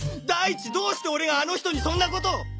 第一どうして俺があの人にそんなことを！